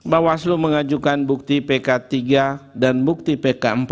bahwa waslu mengajukan bukti p tiga dan bukti p empat